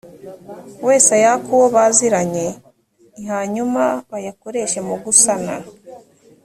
wese ayake uwo baziranye i hanyuma bayakoreshe mu gusana